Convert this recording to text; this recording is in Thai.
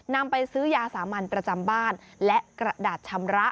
นำไปซื้อยาสามัญประจำบ้านและกระดาษชำระ